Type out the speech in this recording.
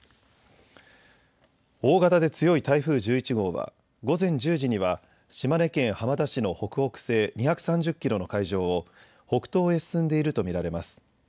大型で強い台風１１号は午前１０時には島根県浜田市の北北西２３０キロの海上を北東へ進んでいると見られます。